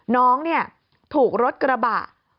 น้องเนี่ยถูกรถกระบะ